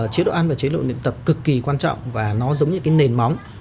chế độ ăn và chế độ luyện tập cực kỳ quan trọng và nó giống như nền móng